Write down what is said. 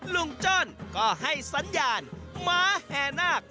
จ้อนก็ให้สัญญาณหมาแห่นาค